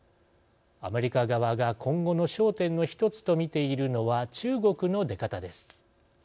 アメリカ側が今後の焦点の一つとみているのは中国の出方です。